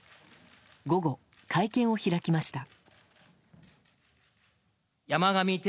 午後、会見を開きました。